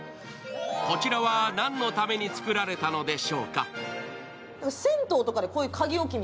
こちらは何のために作られたのでしょうか。